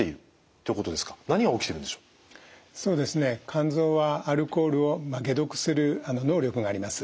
肝臓はアルコールを解毒する能力があります。